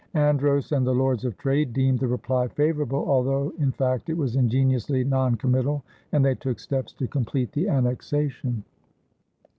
Andros and the Lords of Trade deemed the reply favorable, although in fact it was ingeniously noncommittal, and they took steps to complete the annexation.